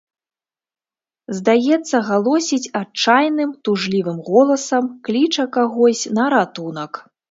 Здаецца, галосіць адчайным, тужлівым голасам, кліча кагось на ратунак.